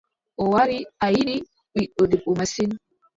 O wari a yiɗi ɓiɗɗo debbo masin.